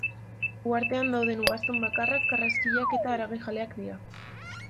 Uhartean dauden ugaztun bakarrak karraskariak eta haragijaleak dira.